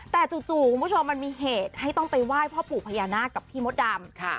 แต่จู่คุณผู้ชมมันมีเหตุให้ต้องไปไหว้พ่อปู่พญานาคกับพี่มดดำ